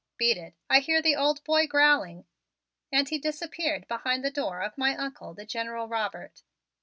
"Beat it! I hear the old boy growling." And he disappeared behind the door of my Uncle, the General Robert.